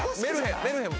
メルヘン！